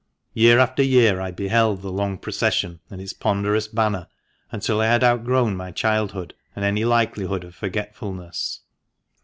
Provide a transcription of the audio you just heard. Year after year I beheld the long procession and its ponderous banner until I had outgrown my childhood and any likelihood of forgetfulness.